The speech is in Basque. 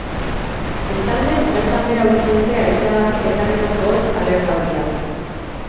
Bestalde, bertan behera utzi dute haizeagatik ezarrita zegoen alerta horia.